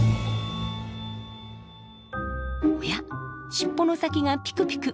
おや尻尾の先がピクピク！